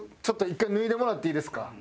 ちょっと一回脱いでもらっていいですか？